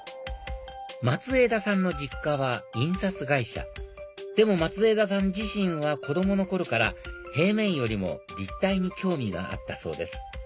松枝さんの実家は印刷会社でも松枝さん自身は子供の頃から平面よりも立体に興味があったそうです